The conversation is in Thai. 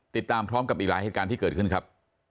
ติดตามพร้อมกับอีกหลายเหตุการณ์ที่เกิดขึ้นครับ